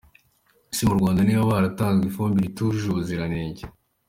Ese mu Rwanda ntihaba haratanzwe ifumbire itujuje ubuzirange?.